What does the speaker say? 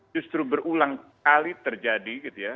justru berulang kali terjadi gitu ya